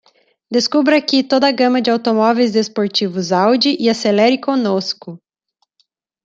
Descubra aqui toda a gama de automóveis desportivos Audi e acelere connosco.